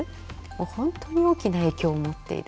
本当に大きな影響を持っている。